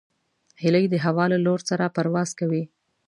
هیلۍ د هوا له لور سره پرواز کوي